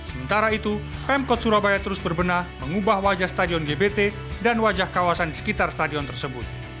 sementara itu pemkot surabaya terus berbenah mengubah wajah stadion gbt dan wajah kawasan di sekitar stadion tersebut